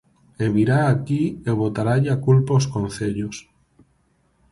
E virá aquí e botaralle a culpa aos concellos.